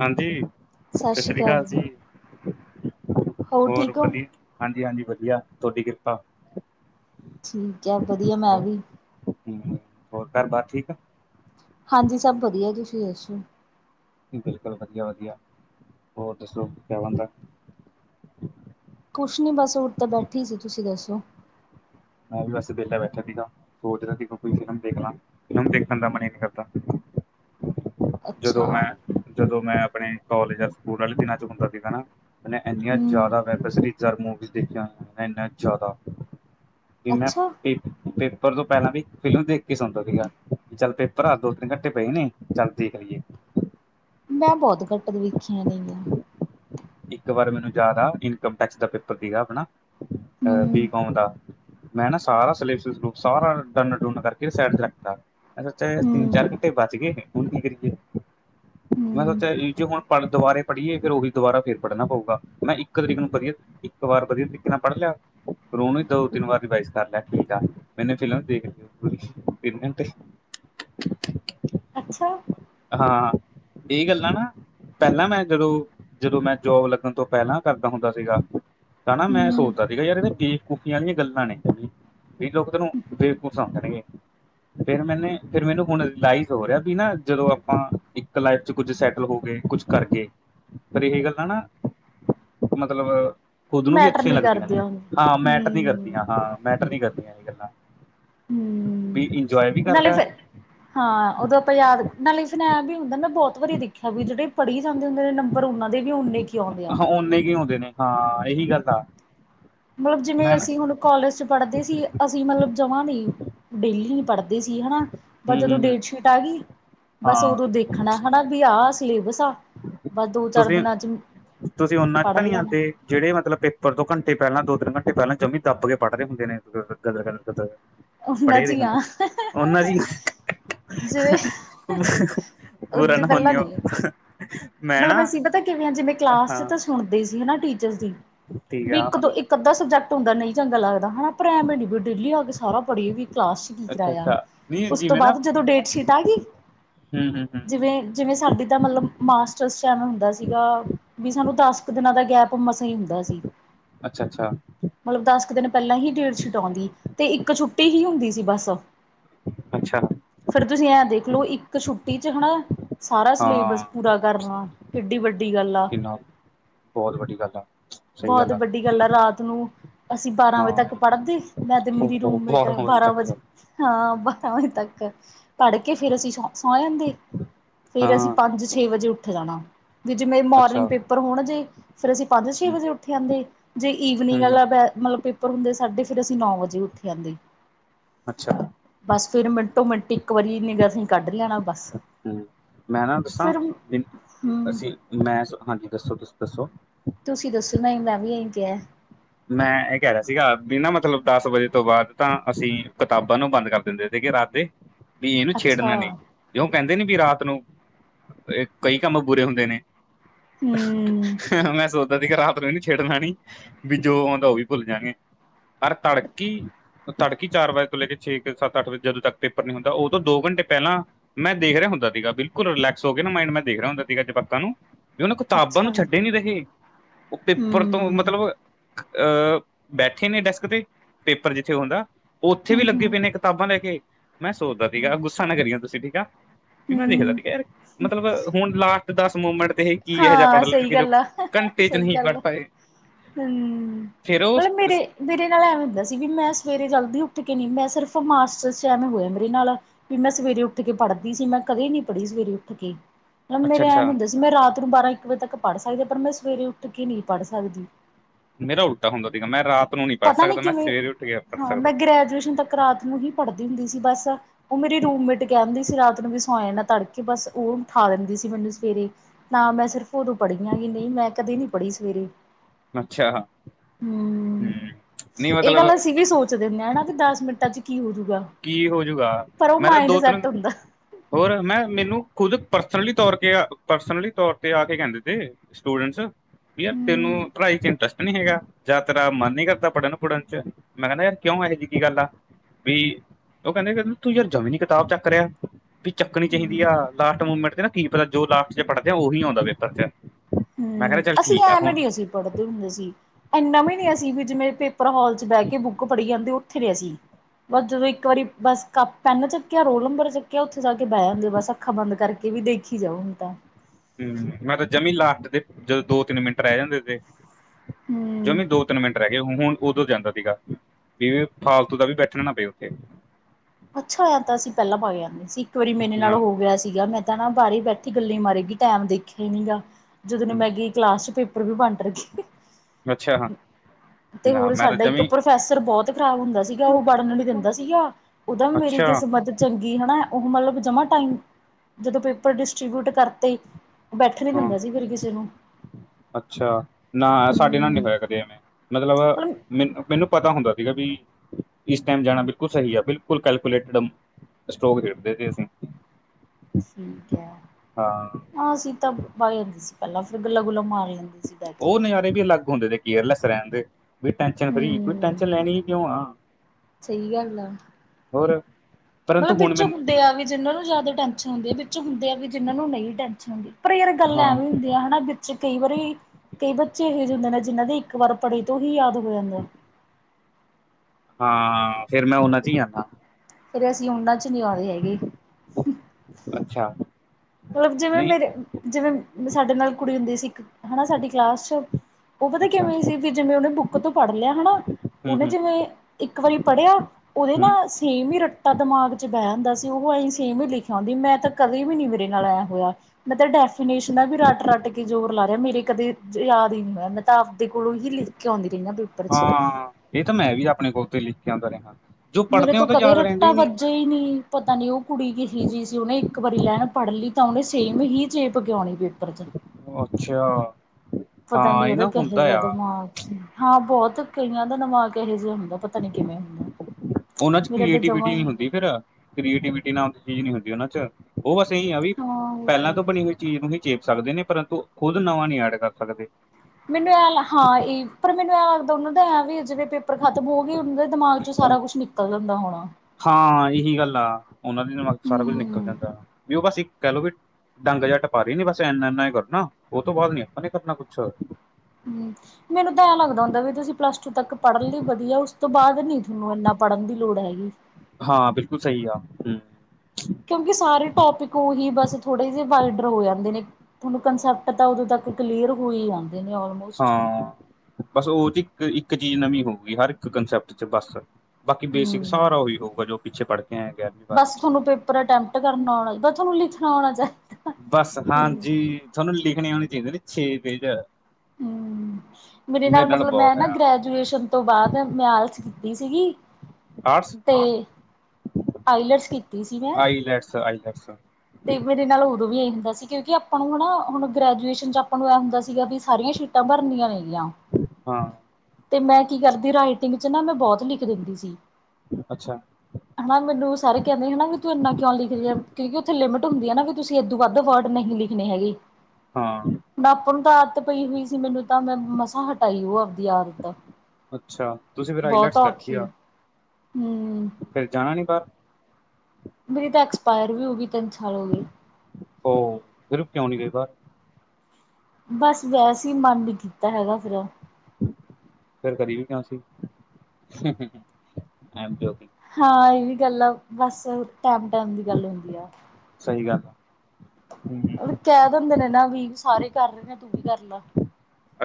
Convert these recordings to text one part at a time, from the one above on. ਹਾਂਜੀ। ਸਤਿ ਸ਼੍ਰੀ ਅਕਾਲ ਜੀ ਹੋਰ ਠੀਕ ਹੋ? ਵਧੀਆ ਹਾਂਜੀ ਹਾਂਜੀ ਵਧੀਆ ਤੁਹਾਡੀ ਕਿਰਪਾ। ਠੀਕ ਹੈ ਵਧੀਆ ਮੈਂ ਹੋਰ ਵੀ। ਹਮ ਹੋਰ ਘਰ ਬਾਹਰ ਠੀਕ ਆ? ਹਾਂਜੀ ਸਭ ਵਧੀਆ ਤੁਸੀਂ ਦੱਸੋ? ਬਿਲਕੁਲ ਵਧੀਆ, ਵਧੀਆ ਹੋਰ ਦੱਸੋ ਕਿਆ ਬੰਦਾ? ਕੁੱਛ ਨੀ ਬਸ ਉਰ ਤਾਂ ਬੈਠੀ ਸੀ ਤੁਸੀਂ ਦੱਸੋ? ਮੈਂ ਵੀ ਬਸ ਵੇਲਾ ਬੈਠਾ ਸੀਗਾ। ਸੋਚਦਾ ਕੋਈ ਫਿਲਮ ਦੇਖਲਾ ਫਿਲਮ ਦੇਖ ਦਾ ਮਨ ਨਹੀ ਕਰਦਾ। ਜਦੋਂ ਅੱਛਾ ਮੈਂ ਜਦੋਂ ਮੈਂ ਆਪਣੇ ਕੋਲਜ ਜਾਂ ਸਕੂਲ ਵਾਲੇ ਦਿਨਾਂ ਚ ਹੁੰਦਾ ਸੀਗਾ ਨਾ ਮੈਂ ਇੰਨੀਆਂ ਹੂੰ ਜ਼ਿਆਦਾ ਮੈ [unintelligible] ਅੱਛਾ ਪੇਪਰ ਤੋਂ ਪਹਿਲਾਂ ਵੀ ਫਿਲਮ ਦੇਖ ਕੇ ਸੋਂਦਾ ਸੀਗਾ ਚੱਲ ਪੇਪਰ ਆ ਦੋ ਤਿੰਨ ਘੰਟੇ ਪਏ ਨੇ ਚੱਲ ਦੇਖ ਲਈਏ। ਮੈਂ ਬਹੁਤ ਘੱਟ ਵੇਖੀਆਂ ਨੇ। ਇੱਕ ਵਾਰ ਮੈਨੂੰ ਯਾਦ ਆ ਇਨਕਮ ਟੈਕਸ ਦਾ ਪੇਪਰ ਸੀਗਾ ਆਪਣਾ ਹੂੰ ਬੀਕੋਮ ਦਾ। ਮੈਂ ਨਾ ਸਾਰਾ ਸਲੂ ਸਾਰਾ ਡੰਨ ਡੂਨ ਕਰਕੇ ਸਾਈਡ ਚ ਰੱਖਤਾ। ਅਗਰ ਤੇ ਤਿੰਨ ਹੂੰ ਚਾਰ ਘੰਟੇ ਬਚ ਗਏ ਹੁਨ ਕੀ ਕਰੀਏ? ਮੈਂ ਹੂੰ ਸੋਚਿਆ ਜੀ ਜੇ ਹੁਣ ਪੜ ਦੁਬਾਰੇ ਪੜ੍ਹੀਏ ਫੇਰ ਉਹੀ ਦੁਬਾਰਾ ਫੇਰ ਪੜ੍ਹਨਾ ਪਊਗਾ ਮੈਂ ਇੱਕ ਤਰੀਕ ਨੂੰ ਵਦੀਆ ਇੱਕ ਵਾਰ ਵਦੀਆ ਤਰੀਕੇ ਨਾਲ ਪੜ੍ਹ ਲਿਆ ਫੇਰ ਉਨੂੰ ਦੋ ਤਿੰਨ ਵਾਰ ਰਿਵਾਇਸ ਕਰ ਲਿਆ ਠੀਕ ਆ ਮੈਨੇ ਫਿਲਮ ਦੇਖ ਲਈ [unintelligible] ਅੱਛਾ। ਹਾਂ ਇਹੀ ਗੱਲਾਂ ਨਾ ਪਹਿਲਾਂ ਮੈਂ ਜਦੋਂ ਜਦੋਂ ਮੈਂ ਜੋਬ ਲੱਗਣ ਤੋਂ ਪਹਿਲਾਂ ਕਰਦਾ ਹੁੰਦਾ ਸੀਗਾ ਹਨਾ ਮੈਂ ਹੂੰ ਸੋਚਦਾ ਸੀਗਾ ਯਾਰ ਇਹਦੇ ਬੇਵਕੂਫੀਆਂ ਵਾਲੀਆਂ ਗੱਲਾਂ ਨੇ ਵੀ ਲੋਕ ਤੈਨੂੰ ਬੇਵਕੁਫ ਸਮਝਣਗੇ। ਫੇਰ ਮੈਨੇ ਫੇਰ ਮੈਨੂੰ ਹੁਣ ਰਿਲਾਈਜ਼ ਹੋ ਰਿਹਾ ਵੀ ਨਾ ਜਦੋਂ ਆਪਾਂ ਇੱਕ ਲਾਈਫ ਚ ਕੁੱਝ ਸੈਟਲ ਹੋ ਕੇ ਕੁੱਛ ਕਰਕੇ ਪਰ ਇਹ ਗੱਲਾਂ ਨਾ ਮਤਲਬ ਖੁਦ ਨੂੰ ਵੀ ਮੈਟਰ ਅੱਛੀਆਂ ਨੀ ਲੱਗਦੀਆਂ ਕਰਦੀਆਂ ਨੇ ਹੁਣ ਹਾਂ ਮੈਟਰ ਨੀ ਕਰਦੀਆਂ ਹੂੰ ਹਾਂ ਮੈਟਰ ਨੀ ਕਰਦੀਆਂ ਇਹ ਗੱਲਾਂ। ਹਮ ਵੀ ਇੰਜੋਏ ਵੀ ਕਰ ਨਾਲ ਲਿਆ ਫੇਰ ਹਾਂ ਉਦੋਂ ਤਾ ਯਾਦ ਨਾਲੇ ਫੇਰ ਐਂ ਵੀ ਹੁੰਦਾ ਨਾ ਬਹੁਤ ਵਾਰੀ ਦੇਖਿਆ ਵੀ ਜਿਹੜੇ ਪੜ੍ਹੀ ਜਾਂਦੇ ਹੁੰਦੇ ਨੇ ਨੰਬਰ ਉਹਨਾਂ ਦੇ ਵੀ ਉਨੇ ਹਾ ਓਨੇ ਕੀ ਹੁੰਦੇ ਨੇ ਹਾਂ ਇਹੀ ਗੱਲ ਆ। ਮਤਲਬ ਜਿਵੇਂ ਮੈਂ ਨਾ ਅਸੀਂ ਹੁਣ ਕਾਲਜ ਚ ਪੜ੍ਹਦੇ ਸੀ ਅਸੀਂ ਮਤਲਬ ਜਮਾਂ ਨਹੀਂ ਡੇਲੀ ਨਹੀਂ ਪੜ੍ਹਦੇ ਸੀ ਹਨਾ ਬਸ ਹੂੰ ਜਦੋਂ ਹੂੰ ਹੂੰ ਡੇਟਸ਼ੀਟ ਆ ਗਈ ਬਸ ਉਦੋਂ ਹਾਂ ਦੇਖਣਾ ਹਨਾ ਵੀ ਆਹ ਸਿਲੇਬਸ ਆ ਬਸ ਦੋ ਚਾਰ ਤੁਸੀਂ ਦਿਨਾਂ ਚ ਤੁਸੀਂ ਉਹਨਾਂ ਚ ਪੜ੍ਹ ਤਾਂ ਨਹੀਂ ਲੈਣਾ। ਆਉਂਦੇ ਜਿਹੜੇ ਮਤਲਬ ਪੇਪਰ ਤੋਂ ਘੰਟੇ ਪਹਿਲਾਂ ਦੋ ਤਿੰਨ ਘੰਟੇ ਪਹਿਲਾਂ ਜਮੀ ਦਬ ਕੇ ਪੜ੍ਹਦੇ ਹੂੰਦੇ ਨੇ [unintelligible] ਉਹਨਾਂ ਚ ਪੜ੍ਹੇ ਹੀ ਆ [unintelligible] ਓਨਾਂ ਜੀ ਜਿਵੇਂ ਬੁਰਾ ਉਦੋਂ ਨਾ ਪਹਿਲਾਂ ਮਨਯੋ ਨਹੀਂ ਮਤਲਬ ਅਸੀਂ ਪਤਾ ਕਿਵੇਂ ਹਾਂ ਜਿਵੇਂ ਕਲਾਸ ਚ ਹਾਂ ਤਾਂ ਸੁਣਦੇ ਸੀ ਹਨਾ ਟੀਚਰਜ਼ ਦੀ ਠੀਕ ਵੀ ਆ ਇੱਕ ਦੋ ਇੱਕ ਅੱਧਾ ਸਬਜੈਕਟ ਹੁੰਦਾ ਨਹੀਂ ਚੰਗਾ ਲੱਗਦਾ ਹੈ ਪਰ ਐਵੇ ਨੀ ਵੀ ਡੇਲੀ ਆ ਕੇ ਸਾਰਾ ਪੜ੍ਹੀਏ ਵੀ ਕਲਾਸ ਚ ਕੀ ਅੱਛਾ ਕਰਾਇਆ ਅੱਛਾ ਨਹੀਂ ਉਸ ਤੋਂ ਜਿਵੇਂ ਨਾ ਬਾਅਦ ਜਦੋਂ ਡੇਟਸ਼ੀਟ ਆ ਗਈ ਹੂੰ ਹੂੰ ਹੂੰ ਜਿਵੇਂ ਜਿਵੇਂ ਸਾਡੀ ਤਾਂ ਮਤਲਬ ਮਾਸਟਰਸ ਚ ਐਵੇ ਹੁੰਦਾ ਸੀਗਾ ਵੀ ਸਾਨੂੰ ਦਸ ਕੁ ਦਿਨਾਂ ਦਾ ਗੈਪ ਮਸਾਂ ਹੀ ਹੁੰਦਾ ਸੀ। ਅੱਛਾ- ਅੱਛਾ। ਮਤਲਬ ਦਸ ਕੁ ਦਿਨ ਪਹਿਲਾਂ ਹੀ ਡੇਟ ਸ਼ੀਟ ਆਉਂਦੀ ਤੇ ਇੱਕ ਛੁੱਟੀ ਹੀ ਹੁੰਦੀ ਸੀ ਬਸ ਅੱਛਾ ਫੇਿਰ ਤੁਸੀਂ ਐਂ ਦੇਖਲੋ ਇੱਕ ਛੁੱਟੀ ਚ ਹਨਾ ਸਾਰਾ ਸਿਲੇਬਸ ਹਾਂ ਪੂਰਾ ਕਰਨਾ ਕਿਡੀ ਵੱਡੀ ਗੱਲ ਆ ਕਿੰਨਾ ਬਹੁਤ ਵੱਡੀ ਗੱਲ ਆ। ਸਹੀ ਬਹੁਤ ਆ ਵੱਡੀ ਗੱਲ ਆ ਰਾਤ ਨੂੰ ਅਸੀਂ ਬਾਰਾਂ ਵਜੇ ਹਾਂ ਤੱਕ ਪੜ੍ਹਦੇ ਮੈਂ ਤੇ ਮੇਰੀ ਰੂਮੇਟ ਹੈ ਬਹੁਤ ਬਾਰਾਂ ਤੱਕ ਵਜੇ ਹਾਂ ਬਾਰਾਂ ਵਜੇ ਤੱਕ ਪੜ੍ਹ ਕੇ ਫੇਰ ਅਸੀਂ ਸ ਸੌ ਜਾਂਦੇ ਫੇਰ ਅਸੀਂ ਹਾਂ ਪੰਜ ਛੇ ਵਜੇ ਉੱਠੇ ਜਾਣਾ ਵੀ ਜਿਵੇਂ ਅੱਛਾ ਮੋਰਨਿੰਗ ਪੇਪ ਹੋਣ ਜੇ ਫੇਰ ਅਸੀਂ ਪੰਜ ਛੇ ਹੂੰ ਵਜੇ ਉੱਠੇ ਆਦੇੰ ਜੇ ਈਵਨਿੰਗ ਹੂੰ ਵਾਲਾ ਮਤਲਬ [unintelligible] ਹੁੰਦੇ ਸਾਡੇ ਫੇਰ ਅਸੀਂ ਨੌ ਵਜੇ ਉੱਠੇ ਆਉਂਦੇ। ਅੱਛਾ। ਬਸ ਫੇਰ ਮਿੰਟੋ ਮਿੰਟ ਇੱਕ ਵਾਰੀ ਅਸੀ ਕੱਢ ਲੈਣਾ ਬਸ ਮੈਂ ਨਾ ਦੱਸਾਂ ਫਿਰ ਹਮ ਅਸੀਂ ਮੈਂ ਹਾਂਜੀ ਦੱਸੋ ਤੁਸੀਂ ਦੱਸੋ? ਤੁਸੀਂ ਦੱਸੋ ਨਹੀ ਮੈਂ ਵੀ [unintelligible] ਕਿਹਾ ਮੈਂ ਇਹ ਕਹਿ ਰਿਹਾ ਸੀਗਾ ਵੀ ਨਾ ਮਤਲਬ ਦਸ ਵਜੇ ਤੋਂ ਬਾਅਦ ਤਾਂ ਅਸੀਂ ਕਿਤਾਬਾਂ ਨੂੰ ਬੰਦ ਕਰ ਦਿੰਦੇ ਸੀ ਕਿ [unintelligible] ਦੇ ਵੀ ਇਹਨੂੰ ਛੇਡਨਾ ਨਹੀਂ ਅੱਛਾ ਕਿਓ ਉਹ ਕਹਿੰਦੇ ਨੀ ਵੀ ਰਾਤ ਨੂੰ ਇਹ ਕਈ ਕੰਮ ਬੁਰੇ ਹੁੰਦੇ ਨੇ। ਹਮ ਮੈਂ ਸੋਚਦਾ ਸੀ ਕਿ ਰਾਤ ਨੂੰ ਨੀ ਛੇਡ ਨਾ ਨੀ ਜੋ ਆਉਂਦਾ ਉਹ ਵੀ ਭੁੱਲ ਜਾਗੇ। [unintelligible] ਤੜਕੀ ਚਾਰ ਵਜੇ ਤੋਂ ਲੈ ਕੇ ਛੇ ਸੱਤ ਅੱਠ ਵਜੇ ਜਦੋਂ ਤੱਕ ਪੇਪਰ ਨਹੀਂ ਹੁੰਦਾ ਉਹਦੋਂ ਦੋ ਘੰਟੇ ਪਹਿਲਾਂ ਮੈਂ ਦੇਖ ਰਿਹਾ ਹੁੰਦਾ ਸੀਗਾ ਬਿਲਕੁਲ ਰਿਲੈਕਸ ਹੋ ਗਏ ਨਾ ਮਾਇੰਡ ਮੈਂ ਦੇਖ ਰਿਹਾ ਹੁੰਦਾ ਸੀਗਾ ਜਵਾਕਕਾ ਨੂੰ ਵੀ ਉਹਨ ਕਿਤਾਬਾਂ ਅੱਛਾ ਨੂੰ ਹਮ ਛੱਡੇ ਨੀ ਰਹੇ ਉਹ ਪੇਪਰ ਤੋਂ ਮਤਲਬ ਅ ਬੈਠੇ ਨੇ ਡੈਸਕ ਤੇ ਪੇਪਰ ਜਿੱਥੇ ਹੁੰਦਾ ਉੱਥੇ ਵੀ ਹਮ ਲੱਗੇ ਹਮ ਪਏ ਨੇ ਇੱਕ ਕਿਤਾਬਾਂ ਲੈ ਕੇ ਮੈਂ ਸੋਚਦਾ ਠੀਕ ਆ ਗੁੱਸਾ ਨਾ ਕਰੀੀਆਂ ਤੁਸੀਂ ਠੀਕ ਆ ਵੀ ਮੈਂ ਦੇਖਦਾ ਹਮ ਯਾਰ ਮਤਲਬ ਹੁਣ ਲਾਸਟ ਦਸ ਮੂਮੈਂਟ ਤੇ ਹੀ ਕੀ ਇਹੋ ਜਿਹਾ ਹਾਂ ਪੜ੍ਹ ਸਹੀ ਲੈਣਗੇ ਜੋ ਗੱਲ ਆ ਘੰਟੇ ਚ ਸਹੀ ਨਹੀਂ ਗੱਲ ਪੜ੍ਹ ਆ ਪਾਏ ਹਮ ਫੇਰ ਉਹ ਮਤਲਬ ਮੇਰੇ ਮੇਰੇ ਨਾਲ ਐਵੇਂ ਹੁੰਦਾ ਸੀ ਵੀ ਮੈਂ ਸਵੇਰੇ ਜਲਦੀ ਉੱਠ ਕੇ ਨੀ ਮੈਂ ਸਿਰਫ ਮਾਸਟਰ ਚ ਐਵੇਂ ਹੋਇਆ ਮੇਰੇ ਨਾਲ ਵੀ ਮੈਂ ਸਵੇਰੇ ਉੱਠ ਕੇ ਪੜ੍ਹਦੀ ਸੀ ਮੈਂ ਕਦੇ ਨੀ ਪੜ੍ਹੀ ਸਵੇਰੇ ਉੱਠ ਕੇ ਮਤਲਬ ਅੱਛਾ ਮੇਰੇ ਐਮ ਅੱਛਾ ਹੁੰਦਾ ਸੀ ਮੈਂ ਰਾਤ ਨੂੰ ਬਾਰਾਂ ਇੱਕ ਵਜੇ ਤੱਕ ਪੜ੍ਹ ਸਕਦੀ ਪਰ ਮੈਂ ਸਵੇਰੇ ਉੱਠ ਕੇ ਨਹੀਂ ਪੜ੍ਹ ਸਕਦੀ। ਮੇਰਾ ਉਲਟਾ ਹੁੰਦਾ ਠੀ ਮੈਂ ਰਾਤ ਨੂੰ ਨਹੀਂੀ ਪੜ੍ਹ ਸਕਦਾ ਮੈਂ ਸਵੇਰੇ ਉੱਠ ਕੇ ਪੜ੍ਹ ਸਕਦਾ ੂਏਸ਼ਨੱਕ ਰਾਤ ਨੂੰ ਹੀ ਪੜ੍ਹਦੀ ਹੁੰਦੀ ਸੀ ਬਸ ਉਹ ਮੇਰੀ ਰੂਮੇਟ ਕਹਿੰਦੀ ਸੀ ਰਾਤ ਨੂੰ ਵੀ ਸੋਏ ਨਾਲ ਤੜਕੇ ਬਸ ਉਹ ਉਠਾ ਦਿੰਦੀ ਸੀ ਮੈਨੂੰ ਸਵੇਰੇ ਨਾ ਮੈਂ ਸਿਰਫ਼ ਉਦੋਂ ਪੜ੍ਹੀਆਂ ਗ ਨਹੀਂ ਮੈਂ ਕਦੇ ਨਹੀਂ ਪੜ੍ਹੀ ਸਵੇਰੇ ਅੱਛਾ ਹੂ ਹਮ ਇਹ ਗੱਲ ਅਸੀਂ ਵੀ ਸੋਚਦੇ ਹੁਣੇ ਹਾਂ, ਹੈਨਾ ਵੀ ਦਸ ਮਿੰਟਾਂ ਚ ਕੀ ਹੋਜੂਗਾ ਕੀ ਹੋਜੂਗਾ, ਪਰ ਉਹ ਮੈਂ ਤਾਂ ਮਾਇੰਡ ਦੋ ਤਿੰਨ ਸੈਟ ਹੁੰਦਾ। ਹੋਰ ਮੈਂ, ਮੈਨੂੰ ਖੁਦ ਪਰਸਨਲੀ ਤੌਰ ਤੇ, ਪਰਸਨਲੀ ਤੌਰ ਤੇ ਆ ਕੇ ਕਹਿੰਦੇ ਤੇ ਸਟੂਡੈਂਟਸ, ਵੀ ਯਾਰ ਤੈਨੂੰ ਪੜ੍ਹਾਈ ਚ ਇੰਟਰਸਟ ਨਹੀਂ ਹੈਗਾ ਯਾਰ ਤੇਰਾ ਮਨ ਨਹੀਂ ਕਰਦਾ, ਪੜ੍ਹਨ ਪੜਨ ਚ, ਮੈਂ ਕਹਿੰਦਾ ਯਾਰ ਕਿਉਂ ਇਹੋ ਜਿਹੀ ਕੀ ਗੱਲ ਆ ਵੀ ਉਹ ਕਹਿੰਦੇ ਕਹਿੰਦੇ ਤੂੰ ਯਾਰ ਜਮੀ ਨੀ ਕਿਤਾਬ ਚੱਕ ਰਿਹਾ, ਵੀ ਚੱਕਣੀ ਚਾਹੀਦੀ ਆ ਹੂੰ ਲਾਸਟ ਮੂਮੈਂਟ ਨਾ ਕੀ ਪਤਾ ਜੋ ਲਾਸਟ ਚ ਪੜਦੇ ਆ, ਉਹੀ ਆਉਂਦਾ ਪੇਪਰ ਚ ਮੈਂ ਕਹਿੰਦਾ ਹੂ, ਚੱਲ ਅਸੀਂ ਠੀਕ ਆ ਐਵੇ ਹੁਣ ਡ ਅਸੀਂ ਪੜ੍ਹਦੇ ਹੁੰਦੇ ਸੀ ਇੰਨਾ ਵੀ ਨ ਅਸੀਂ ਵੀ ਜਿਵੇਂ ਪੇਪਰ ਹਾਲ ਚ ਬਹਿ ਕੇ, ਬੁੱਕ ਪੜ੍ਹੀ ਜਾਂਦੇ, ਉੱਥੇ ਨੇ ਅਸੀਂ ਬਸ ਜਦੋਂ ਇੱਕ ਵਾਰੀ ਬਸ ਕੱਪ ਪੈਨ ਚੱਕਿਆ, ਰੋਲ ਨੰਬਰ ਚੱਕਿਆ, ਉੱਥੇ ਜਾ ਕੇ ਬਹਿ ਜਾਂਦੇ ਬਸ ਅੱਖਾਂ ਬੰਦ ਕਰਕੇ, ਵੀ ਦੇਖੀ ਜਾਓ ਹੁਣ ਤਾਂ ਹੂ, ਮੈਂ ਤਾਂ ਜਮੀ ਲਾਸਟ ਦੇ ਜਦੋਂ ਦੋ ਤਿੰਨ ਮਿੰਟ ਰਹਿ ਜਾਂਦੇ ਤੇ ਜੋ ਵੀ ਦੋ ਤਿੰਨ ਮਿੰਟ ਰਹਿ ਗਏ, ਹੁਣ ਉਦੋਂ ਜਾਂਦਾ ਸੀਗਾ, ਵੀ ਫਾਲਤੂ ਦਾ ਵੀ ਬੈਠਣਾ ਨਾ ਪਏ ਉੱਥੇ ਅੱਛਾ ਆ ਤਾਂ ਅਸੀਂ ਪਹਿਲਾਂ ਪਾ ਕੇ ਜਾਂਦੇ ਸੀ, ਇੱਕ ਵਾਰੀ ਮੇਰੇ ਨਾਲ ਹਾਂ ਹੋ ਗਿਆ ਸੀਗਾ ਮੈਂ ਤਾਂ ਨਾ ਬਾਹਰ ਬੈਠੀ ਗੱਲੀ ਮਾਰੀ ਗਈ, ਟੈਮ ਦੇਖਿਆ ਹੀ ਨੀਗਾ, ਜਦੋਂ ਨੂੰ ਹਮ, ਮੈਂ ਗਈ ਕਲਾਸ ਚ ਪੇਪ ਪੇਪਰ ਵੰਡ ਰਹੇ ਸੀ ਅੱਛਾ ਹਾਂ ਵੰਡ, ਤੇ ਨਾ ਹੋਰ ਮੈਂ ਤਾਂ ਸਾਡਾ ਇੱਕੱ ਜਮੀ ਪ੍ਰੋ ਪ੍ਰੋਫੈਸਰ ਬਹੁਤ ਖ਼ਰਾਬ ਹੁੰਦਾ ਸੀਗਾ, ਉਹ ਵੜਨ ਨੀ ਦਿੰਦਾ ਸੀਗਾ, ਉਹਦਾ ਵੀ ਮੇਰੀ ਅੱਛਾ ਕਿਸਮਦ ਚੰਗੀ, ਹੈਨਾ ਉਹ ਮਤਲਬ ਜਮਾ ਟਾਈਮ, ਜਦੋਂ ਪੇਪਰ ਡਿਸਟਰੀਬਿਊਟ ਕਰਤੇ ਬੈਠਣ ਨੀ ਹਾਂ ਦਿੰਦਾ ਸੀ, ਫਿਰ ਕਿਸੇ ਨੂੰ ਅੱਛਾ, ਨਾ ਸਾਡੇ ਨਾਲ ਹੂੰ ਨੀ ਹੋਇਆ ਕਦੇ ਐਵੇਂ, ਮਤਲਬ ਮਨ ਮੈਨੂੰ ਪਤਾ ਹੁੰਦਾ ਸੀਗਾ, ਵੀ ਇਸ ਟਾਈਮ ਜਾਣਾ ਬਿਲਕੁਲ ਸਹੀ ਆ, ਬਿਲਕੁਲ ਕੈਲਕੂਲੇਟ ਸਟੋਕ ਖੇਡਦੇ ਸੀ ਅਸੀਂ ਠੀਕ ਹੈ ਹਾਂ ਹਾਂ, ਸੀਤਾ ਬਾਈ ਹੁੰਦੀ ਸੀ ਪਹਿਲਾਂ, ਫਿਰ ਗੱਲਾਂ ਗੁੱਲਾਂ ਮਾਰ ਜਾਂਦੀ ਸੀ ਬਹਿ ਕੇ ਉਹ ਨਜ਼ਾਰੇ ਵੀ ਅਲੱਗ ਹੁੰਦੇ ਕੇਅਰਲੈਸ ਰਹਿਣ ਦੇ, ਵੀ ਟੈਨਸ਼ਨ ਫ੍ਰੀ, ਕੋਈ ਟੈਨਸ਼ਨ ਹੂੰ ਲੈਣੀ ਕਿਉਂ ਆ ਸਹੀ ਗੱਲ ਆ ਹੋਰ ਪਰੰਤੂ ਮਤਲਬ ਹੁਣ ਵਿੱਚ ਮੈਨੂੰ ਹੁੰਦੇ ਆ ਵੀ ਜਿਹਨਾਂ ਨੂੰ ਜ਼ਿਆਦਾ ਟੈਂਨਸ਼ਨ ਹੁੰਦੀ, ਵਿੱਚ ਹੁੰਦੇ ਆ ਵੀ ਜਿਹਨਾਂ ਨੂੰ ਨਹੀਂ ਟੈਨਸ਼ਨ ਹੁੰਦੀ, ਪਰ ਯਾਰ ਗੱਲ ਹਾਂ ਐਵੇ ਹੁੰਦੀ ਆ ਹੈਾ ਕਈ ਵਾਰੀ ਕਈ ਬੱਚੇ ਇਹੋ ਜਿਹੇ ਹੁੰਦੇ ਨੇ, ਜਿਹਨਾਂ ਦੇ ਇੱਕ ਵਾਰ ਪੜ੍ਹੇ ਤੋਂ ਹੀ ਯਾਦ ਹੋ ਜਾਂਦੇ ਆ ਹਾਂ, ਫੇਰ ਮੈਂ ਉਹਨਾਂ ਚ ਹੀ ਆਨਾ ਫੇਰ ਅਸੀਂ, ਉਹਨਾਂ ਚ ਨਹੀਂ ਆਉਂਦੇ ਹੈਗੇ ਅੱਛਾ ਮਤਲਬ ਜਿਵੇਂ ਨਹੀਂ ਮੇਰੇ ਜਿਵੇਂ ਸਾਡੇ ਨਾਲ ਕੁੜੀ ਹੁੰਦੀ ਸੀ ਇੱਕ, ਹੈਨਾ ਸਾਡੀ ਕਲਾਸ ਚ ਉਹ ਪਤਾ ਅੱਛਾ ਕਿਵੇਂ ਸੀ, ਵੀ ਜਿਵੇਂ ਉਹਨੇ ਬੁੱਕ ਤੋਂ ਪੜ੍ਹ ਲਿਆ ਹੈਨਾ, ਹੂੰ ਉਹਨੇ ਹੂੰ ਜਿਵੇਂ ਇੱਕ ਵਾਰੀ ਪੜ੍ਹਿਆ ਉਹਦੇ ਹੂੰ ਨਾ ਸੇਮ ਹੀ ਰੱਟਾ ਦਿਮਾਗ ਚ ਬਹਿ ਹੁੰਦਾ ਸੀ, ਉਹ ਅਸੀਂ ਸੇਮ ਹੀ ਲਿਖਿਆ ਆਂਦੀ, ਮੈਂ ਤਾਂ ਕਦੇ ਵੀ ਨੀ ਵੀਰੇ ਨਾਲ ਐ ਹੋਇਆ ਮੈਂ ਤਾਂ ਡੈਫੀਨੇਸ਼ਨਾਂ ਵੀ ਰੱਟ ਰੱਟ ਕੇ ਜ਼ੋਰ ਲਾ ਰਿਹਾ, ਮੇਰੇ ਕਦੇ ਯਾਦ ਹੀ ਹੋਇਆ, ਮੈਂ ਤਾਂ ਆਪਦੇ ਕੋਲੋਂ ਹੀ ਲਿਖ ਕਿਉਂ ਰਹਿੰਦਾ ਹਾਂ, ਇਹ ਤਾਂ ਮੈਂ ਵੀ ਆਪਣੇ ਕੋਲ ਤੇ ਲਿਖ ਆਉਂਦਾ ਰਿਹਾ ਜੋ ਮੇਰੇ ਪੜ੍ਹਦੇ ਆ ਤੋਂ ਉਹ ਤਾਂ ਕਦੇ ਯਾਦ ਰਹਿੰਦੇ ਰੱਟਾ ਵੱਜਿਆ ਨਹੀਂ ਹੀ ਨਹੀਂ ਪਤਾ ਨੀ ਉਹ ਕੁੜੀ ਕਿਵੇਂ ਜਿਹੀ ਸੀ, ਉਹਨੇ ਇੱਕ ਵਾਰੀ ਲੈਣ ਪੜ੍ਹ ਲਈ, ਤਾਂ ਉਹਨੇ ਸੇਮ ਹੀ ਚੇਪ ਕੇਉਣੀ ਪੇਪਰ ਚ ਅੱਛਾ ਪਤਾ ਨੀ ਹਾਂ ਇਹ ਉਹਦਾ, ਨਾ ਕਹੇੇ ਹੁੰਦਾ ਜਯਾ ਆ ਦਿਮਾਗ ਹਾਂ ਬਹੁਤ ਕਈਆਂ ਦਾ ਦਿਮਾਗ ਇਹੋ ਜਿਹਾ ਹੁੰਦਾ, ਪਤਾ ਨੀ ਕਿਵੇਂ ਹੁੰਦਾ ਉਹਨਾਂ ਚ ਮੇਰਾ ਤਾਂ ਜਮਾ ਕ੍ਰੀਏਟਵਿਟੀ ਹੀ ਨਹੀਂ ਹੁੰਦੀ ਫਿਰ, ਕ੍ਰੀਏਟੀਵਿਟੀ ਨਾਲ ਚੀਜ਼ ਨ ਹੁੰਦੀ ਉਹਨਾਂ ਚ ਉਹ ਬਸ ਇਹੀ ਆ, ਵੀ ਹਾਂ ਹੋ ਪਹਿਲਾਂ ਤੋਂ ਸਕਦਾ ਬਣੀ ਹੋਈ ਚੀਜ਼ ਨੂੰ ਹੀ ਚੇਪ ਸਕਦੇ ਨੇ, ਪਰੰਤੂ ਖੁਦ ਨਵਾਂ ਨੀ ਐਡ ਕਰ ਸਕਦੇ। ਮੈਨੂੰ ਐ ਹਾਂ, ਇਹ ਪਰ ਮੈਨੂੰ ਐਂ ਲੱਗਦਾ ਉਹਨਾਂ ਦਾ, ਐ ਵੀ ਜਿਵੇ ਪੇਪਰ ਖਤਮ ਹੋ ਗਏ ਦੇ। ਦਿਮਾਗ ਚੋਂ ਸਾਰਾ ਕੁੱਛ ਨਿਕਲ ਜਾਂਦਾ ਹੋਣਾ। ਹਾਂ ਇਹੀ ਗੱਲ ਆ, ਉਹਨਾਂ ਦੇ ਦਿਮਾਗ ਸਾਰਾ ਕੁਝ ਨਿਕਲ ਹੂੰ ਜਾਂਦਾ, ਵੀ ਉਹ ਬਸ ਇੱਕ ਕਹਿ ਲਓ ਵੀ ਡੰਗ ਜਿਹਾ ਟਪਾ ਰਹੀ ਸੀ, ਬਸ ਇੰਨਾ- ਇਨਾ ਕਰਨਾ ਉਹ ਤੋਂ ਬਾਅਦ ਨੀ ਆਪਾਂ ਨੇ ਕਰਨਾ ਕੁਛ। ਹੂੰ। ਮੈਨੂੰ ਤਾਂ ਐਂ ਲੱਗਦਾ ਹੁੰਦਾ ਵੀ ਤੁਸੀਂ ਪਲੱਸ ਟੂ ਤੱਕ ਪੜਨ ਲਈ ਵਧੀਆ, ਉਸ ਤੋਂ ਬਾਅਦ ਨੀ ਤੁਹਾਨੂੰ ਇੰਨਾ ਪੜਨ ਦੀ ਲੋੜ ਹੈਗੀ। ਹਾਂ, ਬਿਲਕੁਲ ਸਹੀ ਆ ਹੂੰ। ਕਿਉਂਕਿ ਸਾਰੇ ਟੋਪਿਕ ਉਹੀ ਬਸ, ਥੋੜੇ ਜਿਹੇ ਵਾਈਡਰ ਹੋ ਜਾਂਦੇ ਨੇ। ਤੁਾਨੂੰ ਕੰਸੈਪਟ ਤਾਂ ਉਦੋਂ ਤੱਕ ਕਲੀਅਰ, ਹੋਈ ਹੀ ਆਦੇ ਨੇ ਆਲਮੋਸਟ। ਹਾਂ ਬਸ ਉਹ ਚ ਇੱਕ- ਇੱਕ ਚੀਜ਼ ਨਵੀਂ ਹੋਊਗੀ। ਹਰ ਇੱਕ ਕੰਸੈਪਟ ਚ ਬਸ। ਬਾਕੀ ਬੇਸਿਕ ਸਾਰਾ ਹੂੰ ਉਹੀ ਹੋਊਗਾ, ਜੋ ਪਿੱਛੇ ਪੜ ਕੇ ਆਏ ਗਿਆਰਵੀਂ ਬਾਰਵੀਂ ਬਸ ਚ ਤੁਹਾਨੂੰ ਪੇਪਰ ਅਟਟ ਕਰਨਾ ਆਣਾ ਚ ਬਸ ਤੁਹਾਨੂੰ ਲਿਖਣਾ ਚਾਹੀਦਾ। ਬਸ ਹਾਂਜੀ, ਤੁਹਾਨੂੰ ਲਿਖਣੀ ਹੋਉਣੀ ਚਾਹੀਦੀ ਛੇ ਪੇਜ। ਹੂੰ, ਮੇਰੇ ਨਾਲ ਮਤਲਬ ਮੈਂ ਨਾ ਗ੍ਰਹਿ- ਤੋਂ ਬਾਅਦ ਮੈ ਆਲਸ ਕੀਤੀ ਸੀਗੀ। ਆਰਟਸ ਤੇ ਆਈਲਟਸ ਕੀਤੀ ਸੀ ਮੈਂ, ਈ ਲੈਟ, ਆਈ ਲੈਟਸ। ਤੇ ਮੇਰੇ ਨਾਲ ਉਦੋਂ ਵੀ ਇਹ ਹੁੰਦਾ ਸੀ, ਕਿਉਂਕਿ ਆਪਾਂ ਨੂੰ ਹਨਾ, ਹੁਣ ਗ੍ਰੈਜੂਏਸ਼ਨ ਚ ਆਪਾਂ ਨੂੰ ਇਹ ਹੁੰਦਾ ਸੀਗਾ ਵੀ ਸਾਰੀਆਂ ਛੁੀਆਂ ਟਬਰਦੀਆਂ ਨਹੀਂ। ਇਆਂ ਹਾਂ ਤੇ ਮੈਂ ਕੀ ਕਰਦੀ ਰਾਈਟਿੰਗ ਚ ਨਾ ਮੈਂ ਬਹੁਤ ਲਿਖ ਦਿੰਦੀ ਸੀ। ਅੱਛਾ। ਹਨਾ ਮੈਨੂੰ ਸਾਰੇ ਕਹਿੰਦੇ ਹਨਾ, ਵੀ ਤੂੰ ਇੰਨਾ ਕਿਉਂ ਲਿਖਦੇ ਹੈ। ਕਿਉਂਕਿ ਉੱਥੇ ਲਿਮਿਟ ਹੁੰਦੀ ਹੈ ਨਾ, ਵੀ ਤੁਸੀਂ ਇਦੋਂ ਵਾਧੁ ਵਰਡ ਨਹੀਂ ਲਿਖਣੀ ਹੈਗੇ। ਹਾਂ। ਨਾ ਆਪ ਨੂੰ ਤਾਂ ਆਦਤ ਪਈ ਹੋਈ ਸੀ। ਮੈਨੂੰ ਤਾਂ ਮੈਂ ਮਸਾਂ ਹਟਾਈ ਉਹ ਆਪਦੀ ਆਦਤ। ਅੱਛਾ ਤੁਸੀਂ ਫਿਰ ਬਹੁਤ ਆਈਲੈਟਸ ਔਖੀ ਹੂੰ। ਫੇਰ ਜਾਣਾ ਨੀ ਬਾਹਰ? ਮੇਰੀ ਤਾਂ ਐਕਸਪਾਇਰ ਵੀ ਹੋ ਗਈ, ਤਿੰਨ ਸਾਲ ਹੋ ਗਏ। ਉਹ, ਫੇਰੁ ਕਿਉਂ ਨੀ ਗਈ ਬਾਹਾਰ? ਬਸ ਵੈਸੇ ਹੀ ਮਨ ਨੀ ਕੀਤਾ ਹੈਗਾ ਫੇਰ। ਫੇਰ ਕਰੀ ਵੀ ਕਿਉ ਸੀ? [unintelligible] ਹਾਂ ਇਹ ਵੀ ਗੱਲ ਆ, ਬਸ ਟੈਮ- ਟੈਮ ਦੀ ਗੱਲ ਹੁੰਦੀ ਆ। ਸਹੀ ਗੱਲ ਹੈ। ਉਹ ਕਹਿ ਦਿੰਦੇ ਨੇ ਨਾ, ਵੀ ਸਾਰੇ ਕਰ ਰਹੇ ਨੇ ਤੂੰ ਵੀ ਕਰ ਲਾ।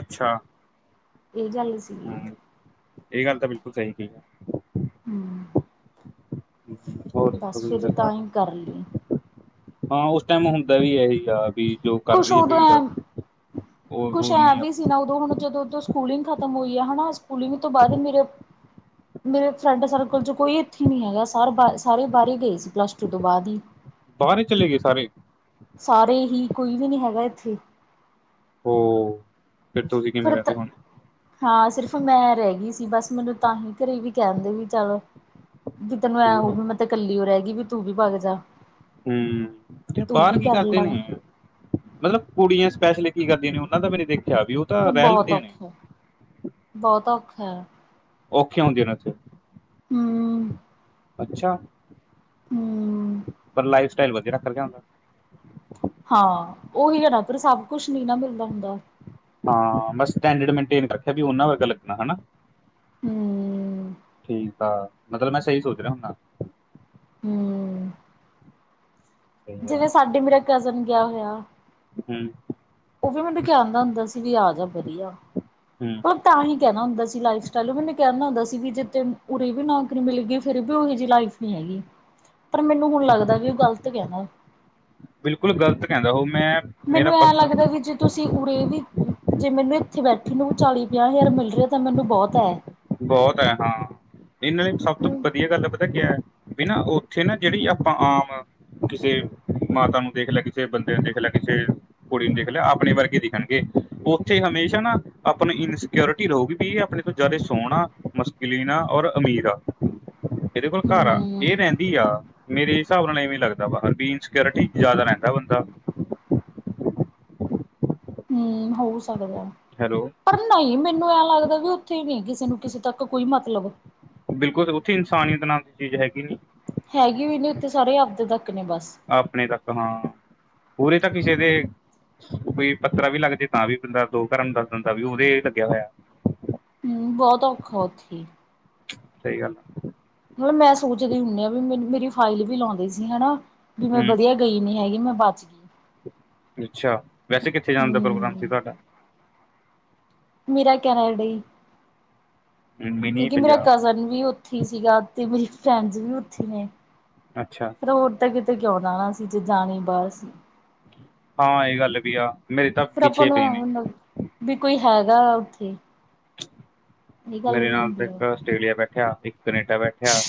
ਅੱਛਾ। ਇਹ ਜਾਂੱਲ ਸੀ। ਹੂੰ, ਇਹ ਗੱਲ ਤਾਂ ਬਿਲਕੁਲ ਸਹੀ ਕਹੀ ਹੈ। [inaudible] ਹੋਰ ਬਸ ਕੋਈ ਫਿਰ ਗੱਲ ਤਾਂ ਬਾਤ? ਹੀ ਕਰ ਲਈ ਹਾਂ ਉਸ ਟਾਈਮ ਹੁੰਦਾ ਵੀ ਇਹੀ ਆ। ਵੀ ਜੋ ਕਰ ਕੁਛ ਰਹੀ ਹੈ ਉਦੋਂ ਭੇੜ ਐ ਉਹ- ਉਹ ਨੀ। ਜੀ ਨਾ ਉਦੋਂ ਹੁਣ, ਜਦੋਂ ਸਕੂਲਿੰਗ ਖਤਮ ਹੋਈ ਆ ਹਨਾ ਸਕੂਲਿੰਗ ਤੋਂ ਬਾਅਦ ਮੇਰੇ, ਮੇਰੇ ਫਰੈਂਡ ਸਰਕਲ ਤੋਂ ਕੋਈ ਇੱਥੇ ਨਹੀਂ ਹੈਗਾ। ਸਾਰ ਬ ਸਾਰੇ ਬਾਹਰ ਗਏ ਸੀ ਪਲੱਸ ਟੂ ਤੋਂ ਬਾਅਦ ਹੀ। ਬਾਹਾਰੇ ਚਲੇ ਗਏ ਸਾਰੇ? ਸਾਰੇ ਹੀ, ਕੋਈ ਵੀ ਨੀ ਹੈਗਾ ਇੱਥੇ। ਉਹ, ਫੇਰ ਤੁਸੀਂ ਕਿਵੇਂ ਫਿਰ ਤ ਰਹਿੰਦੇ ਹੁਣੇ। ਹਾਂ ਸਿਰਫ਼ ਮੈਂ ਰਹਿ ਗਈ ਸੀ ਬਸ, ਮੈਨੂੰ ਤਾਂਹੀ ਘਰੇ ਵੀ ਕਹਿਣ ਦੇ ਵੀ ਚੱਲ, ਵੀ ਤੈਨੂੰ ਐਂ ਉਹ ਹੂੰ ਵੀ, ਮੈਂ ਕੱਲੀ ਰਹਿ ਗਈ ਵੀ ਤੂੰ ਵੀ ਬਾਹਰ ਜਾ। ਹੂੰ, ਤੇ ਤੂੰ ਬਾਹਰ ਵੀ ਕੀ ਕਰ ਕਰਦੇ ਲਾ ਨੇ? ਮਤਲਬ ਕੁੜੀਆਂ ਸਪੈਸ਼ਲੀ ਕੀ ਕਰਦੀਆਂ ਨੇ, ਉਹਨਾਂ ਦਾ ਮੈ ਨੀ ਦੇਖਿਆ ਵੀ ਉਹ। ਤਾਂ ਮਤਲਬ ਰਹਿ ਬਹੁਤ ਲੈਂਦੀਆਂ ਨੇ ਔਖਾ ਬਹੁਤ ਔਖਾ ਹੈ। ਔਖੀਆਂ ਹੁੰਦੀਆਂ ਨਾੱਥੇ। ਹਮ। ਅੱਛਾ ਹੂੰ ਪਰ ਲਾਈਫ ਸਟਾਈਲ ਵਧੀਆ ਰੱਖ ਗਿਆ ਹੁੰਦਾ ਹਾਂ ਉਹੀ ਹੈ ਨਾ ਉੱਧਰ ਸਭ ਕੁਛ ਨੀ ਨਾ ਮਿਲਦਾ ਹੁੰਦਾ ਹਾਂ ਬਸ ਸਟੈਂਡਡ ਮਨਟਨ ਰੱਖਿਆ ਵੀ ਉਹਨਾਂ ਵਰਗਾ ਲੱਗਣਾ ਹਨਾ ਠੀਕ ਆ ਮਤਲਬ ਮੈਂ ਸਹੀ ਸੋਚ ਰਿਹਾ ਹੁੰਦਾ ਹਮ। ਸਹੀ ਆ ਜਿਵੇਂ ਸਾਡੇ ਮੇਰਾ ਕਜ਼ਨ ਗਿਆ ਹੋਇਆ। ਹਮ। ਉਹ ਵੀ ਮੈਨੂੰ ਕਹਿਦਾ ਹੁੰਦਾ ਸੀ ਵੀ ਆ ਜਾ ਵਧੀਆ। ਹੂੰ ਮਤਲਬ ਤਾਂ ਹੀ ਕਹਿਣਾ ਹੁੰਦਾ ਸੀ ਲਾਈਫ ਸਟਾਈਲ ਮੈਨੂੰ ਕਹਿਦਾ ਹੁੰਦਾ ਸੀ ਵੀ ਜੇ ਉਰੇ ਵੀ ਨਾ। ਮਿਗੀਈ ਫੇਰ ਵੀ ਉਹੋ ਜਿਹੀ ਲਾਈਫ ਨੀ ਹੈਗੀ ਪਰ ਮੈਨੂੰ ਹੁਣ ਲੱਗਦਾ ਵੀ ਉਹ ਗਲਤ ਕ ਨਾ ਬਿਲਕੁਲ ਗਲਤ ਕਹਿੰਦਾ ਉਹ ਮੈਂ। ਮੇਰਾ ਮੈਨੂੰ ਐਂ ਪਰਸਨ ਲੱਗਦਾ ਵੀ ਜ ਤੁਸੀਂ ਉਰੇ ਵੀ, ਜੇ ਮੈਨੂੰ ਇੱਥੇ ਬੈਠੇ ਨੂੰ ਚਾਲੀ, ਪੰਜਾਹ-ਹਜ਼ਾਰ ਮਿਲ ਰਿਹਾ ਤਾਂ ਮੈਨੂੰ ਬਹੁਤ ਹੈ। ਬਹੁਤ ਹੈ ਹਾਂ। ਇਹਨਾਂ ਨੇ ਸਭ ਤੋਂ ਹਮ ਵਧੀਆ ਗੱਲ ਪਤਾ ਕਿਆ ਏ ਬੀ ਨਾਂ ਉੱਥੇ ਨਾ, ਜਿਹੜੀ ਆਪਾਂ ਆਮ ਕਿਸੇ ਮਾਤਾ ਨੂੰ ਦੇਖਲਿਆ, ਕਿਸੇ ਬੰਦੇ ਨੂੰ ਦੇਖਲਿਆ, ਕਿਸੇ ਕੁੜੀ ਨੂੰ ਦੇਖਲਿਆ ਆਪਣੇ ਵਰਗੇ ਦਿਖਣਗੇ, ਉੱਥੇ ਹਮੇਸ਼ਾ ਨਾ ਆਪਣੀ ਇਨਸੀਕਿਓਰ ਕੀ ਰੋ‌ਵੀਪੀ ਆ ਇਹ ਆਪਣੇ ਤੋਂ ਜ਼ਿਆਦੇ ਸੋਹਣਾ, ਮਸਕਿਲੀਨਾ ਔਰ ਅਮੀਰ ਆ। ਇਹਦੇ ਕੋਲ ਘਰ ਆ ਇਹ ਰਹਿੰਦੀ ਆ, ਮੇਰੇ ਹਿਸਾਬ ਨਾਲ ਇਵੇਂ ਲੱਗਦਾ ਬੀਨਸ ਸੀਕਿਓਰਟੀ ਜਿਆਦਾ ਰਹਿੰਦਾ ਬੰਦਾ। ਹਮ ਹੋ ਸਕਦਾ। ਹੈਲੋ। ਪਰ ਨਹੀਂ ਮੈਨੂੰ ਐ ਲੱਗਦਾ ਵੀ ਉੱਥੇ ਹੀ ਨਹੀਂ ਕਿਸੇ ਨੂੰ ਕਿਸੇ ਤੱਕ ਕੋਈ ਮਤਲਬ। ਉਹ ਬਿਲਕੁਲ ਉੱਥੇ ਇਨਸਾਨੀਤ ਨਾਲ ਦੀ ਚੀਜ਼ ਹੈਗੀ ਨੀ। ਹੈਗੀ ਵੀ ਨਹੀਂ ਉੱਥੇ ਸਾਰੇ ਆਪਦੇ ਤੱਕ ਨੇ ਬਸ। ਆਪਣੇ ਤੱਕ ਹਾਂ ਪੂਰੇ ਤਾਂ ਕਿਸੇ ਦੇ। ਕੋਈ ਪੱਤਰ ਵੀ ਲੱਗ ਜਾ ਤਾਂ ਵੀ ਬੰਦਾ ਦੋ ਘਰਾਂ ਨੂੰ ਦੱਸ ਦਦਾ ਵੀ ਉਹਦੇ ਲੱਗਿਆ ਹੋਇਆ। ਹਮ ਬਹੁਤ ਔਖਾ ਉੱਥੇ। ਸਹੀ ਗੱਲ ਆ। ਮਤਲਬ ਮੈਂ ਸੋਚਦੀ ਹੁੰਦੀ ਆਾਂ ਵੀ ਮੈਨੂੰ ਮੇਰੀ ਫਾਈਲ ਵੀ ਲਾਉਂਦੇ ਸੀ ਹਨਾ ਵੀ ਮੈਂ ਹੂੰ ਵਧੀਆ। ਗਈ ਨਹੀਂ ਹੈਗੀ ਮੈਂ ਬਚ ਗਈ। ਅੱਛਾ ਵੈਸੇ ਕਿੱਥੇ ਜਾਣ ਦਾ ਪ੍ਰੋਗਰਾਮ ਸੀ ਹਮ ਤੁਹਾਡਾ। ਮੇਰਾ ਕੈਨੇਡਾ ਹੀ। ਮਿਨੀ ਕਿਉਂਕਿ ਮੇਰਾ ਪੰਜਾਬ ਕਜ਼ਨ ਵੀ ਉੱਥੇ ਸੀਗਾ ਤੇ ਮੇਰੀ ਫਰੈਂਡਸ ਵੀ ਉੱਥੇ ਨੇ। ਅੱਛਾ। ਹੋਰ ਤਾਂ ਕਿਤੇ ਕਿਉਂ ਨਾ, ਅਸੀ ਜੇ ਜਾਣੀ ਬਸ। ਹਾਂ ਇਹ ਗੱਲ ਵੀ ਆ, ਮੇਰੇ ਤਾਂ ਫਿਰ ਆਪਾਂ ਪਿਛੇ ਨੂੰ ਪਏ ਨੇ। ਮਤਲਬ ਵੀ ਕੋਈ ਹੈਗਾ, ਉੱਥੇ। ਇਹ ਗੱਲ ਮੇਰੇ ਵੀ ਨਾਲ ਤਾ ਹੁੰਦੀ ਆ ਇੱਕ ਆਸਟ੍ਰੇਲੀਆ ਬੈਠਿਆ, ਇੱਕ ਕਨੇਡਾ ਬੈਠਿਆ।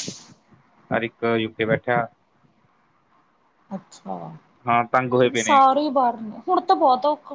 ਅਰ ਇੱਕ ਯੁਕੇ ਬੈਠਿਆ। ਅੱਛਾ! ਹਾਂ ਤੰਗ ਹੋਏ ਹੁਨ ਪਏ ਨੇ ਸਾਰੇ ਹੀ ਬਾਹਰ ਨੇ, ਹੁਣ ਤਾਂ ਬਹੁਤ ਔਖਾ